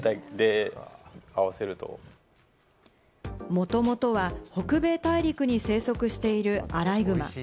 もともとは北米大陸に生息しているアライグマ。